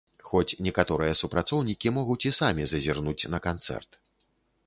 Хоць некаторыя супрацоўнікі могуць і самі зазірнуць на канцэрт.